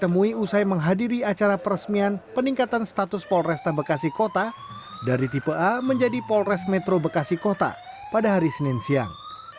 menjadi polres metro bekasi kota pada hari senin siang